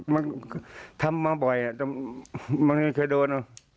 มันทำมาบ่อยมันเคยโดน